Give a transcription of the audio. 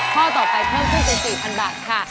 ข้อต่อไปเพิ่มขึ้นเป็น๔๐๐๐บาทค่ะ